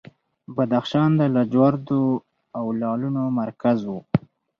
بدخشان د لاجوردو او لعلونو مرکز و